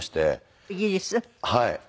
はい。